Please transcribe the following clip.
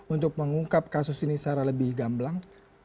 untuk mengungkap kasus ini secara lebih gamblang